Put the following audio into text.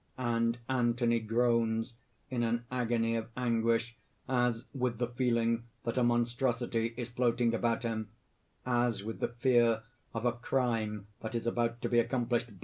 And Anthony groans in an agony of anguish, as with the feeling that a monstrosity is floating about him, as with the fear of a crime that is about to be accomplished.